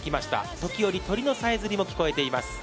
ときおり鳥のさえずりも聞こえています。